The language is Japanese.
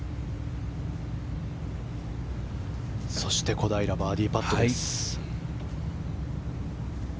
小平、バーディーパットです。